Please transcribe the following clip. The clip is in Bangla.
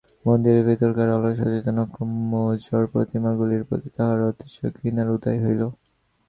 মন্দিরের ভিতরকার অলস অচেতন অকর্মণ্য জড়প্রতিমাগুলির প্রতি তাঁহার অতিশয় ঘৃণার উদয় হইল।